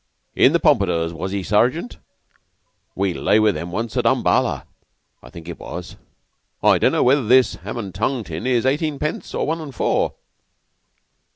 In the Pompadours, was he, Sergeant? We lay with them once at Umballa, I think it was." "I don't know whether this ham and tongue tin is eighteen pence or one an' four."